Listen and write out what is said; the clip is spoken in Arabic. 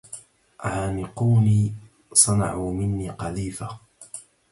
عانقوني, صنعوا مني... قذيفه!